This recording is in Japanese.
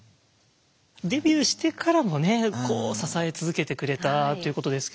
デビューしてからもね支え続けてくれたっていうことですけど。